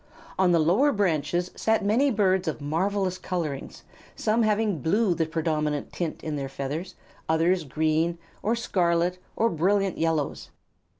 On the lower branches sat many birds of marvellous colorings, some having blue the predominant tint in their feathers, and others green, or scarlet, or brilliant yellows.